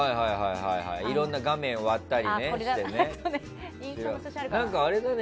いろんな画面を割ったりしてね。